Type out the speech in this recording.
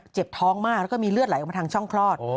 เจ็บท้องมากแล้วก็มีเลือดไหลออกมาทางช่องคลอด